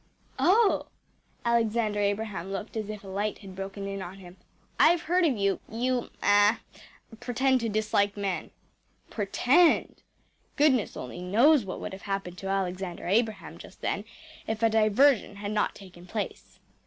‚ÄĚ ‚ÄúOh!‚ÄĚ Alexander Abraham looked as if a light had broken in on him. “I’ve heard of you. You ah pretend to dislike men.‚ÄĚ Pretend! Goodness only knows what would have happened to Alexander Abraham just then if a diversion had not taken place.